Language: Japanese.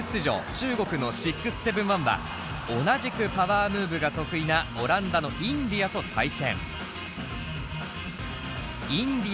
中国の６７１は同じくパワームーブが得意なオランダのＩｎｄｉａと対戦。